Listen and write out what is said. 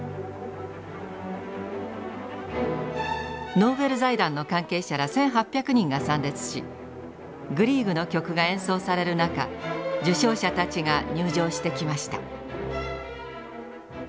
ノーベル財団の関係者ら１，８００人が参列しグリーグの曲が演奏される中受賞者たちが入場してきました。